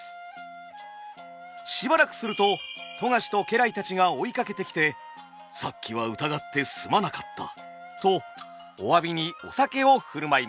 しばらくすると富樫と家来たちが追いかけてきて「さっきは疑ってすまなかった」とお詫びにお酒を振る舞います。